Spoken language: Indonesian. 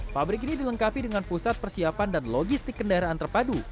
pabrik ini dilengkapi dengan pusat persiapan dan logistik kendaraan terpadu